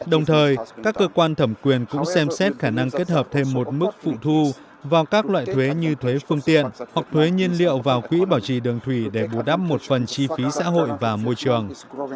đồng thời các cơ quan thẩm quyền cũng xem xét khả năng kết hợp thêm một mức phụ thu vào các loại thuế như thuế phương tiện hoặc thuế nhiên liệu vào quỹ bảo trì đường thủy để bù đắp một phần chi phí xã hội và môi trường